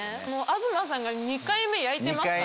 東さんが２回目焼いてますから。